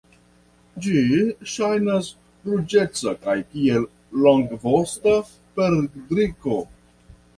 Ĝi ŝajnas ruĝeca kaj kiel longvosta perdriko.